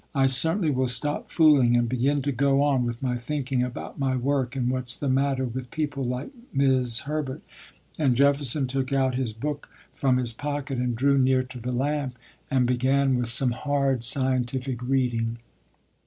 "I certainly will stop fooling, and begin to go on with my thinking about my work and what's the matter with people like 'Mis' Herbert," and Jefferson took out his book from his pocket, and drew near to the lamp, and began with some hard scientific reading.